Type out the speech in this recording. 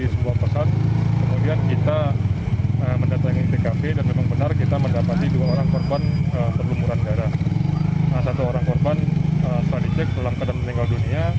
saat dicek dalam keadaan menjelaskan